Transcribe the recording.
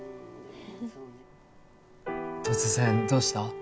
突然どうした？